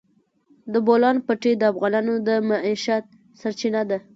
د بولان پټي د افغانانو د معیشت سرچینه ده.